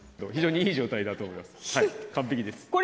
非常にいい状態だと思います。